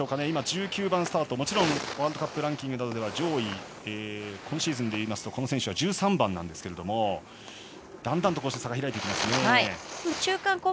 今、１９番スタートもちろんワールドカップランキングなどは上位で今シーズンでいいますとこの選手は１３番ですがだんだんと差が開いていきますね。